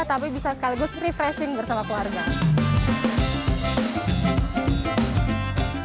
tapi bisa sekaligus refreshing bersama keluarga